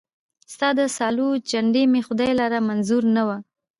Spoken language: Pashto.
ستا د سالو جنډۍ مي خدای لره منظوره نه وه